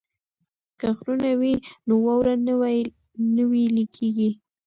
که غرونه وي نو واوره نه ویلی کیږي.